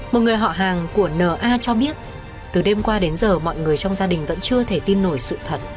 một người họ hàng của na cho biết từ đêm qua đến giờ mọi người trong gia đình vẫn chưa thể tin nổi sự thật